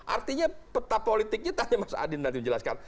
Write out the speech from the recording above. artinya peta politiknya tadi mas adin nanti menjelaskan